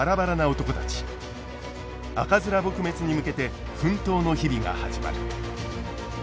赤面撲滅に向けて奮闘の日々が始まる。